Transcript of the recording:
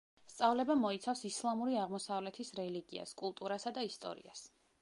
სწავლება მოიცავს ისლამური აღმოსავლეთის რელიგიას, კულტურასა და ისტორიას.